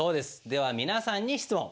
では皆さんに質問。